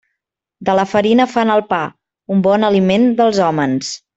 De la farina fan el pa, un bon aliment dels hòmens.